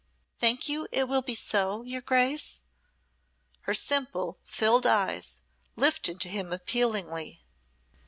Think you it will be so, your Grace?" her simple, filled eyes lifted to him appealingly.